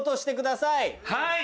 はい！